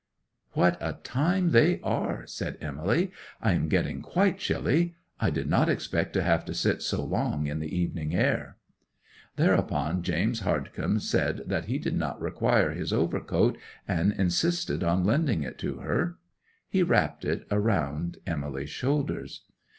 '"What a time they are!" said Emily. "I am getting quite chilly. I did not expect to have to sit so long in the evening air." 'Thereupon James Hardcome said that he did not require his overcoat, and insisted on lending it to her. 'He wrapped it round Emily's shoulders.